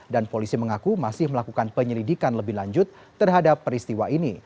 dan polisi mengaku masih melakukan penyelidikan lebih lanjut terhadap peristiwa ini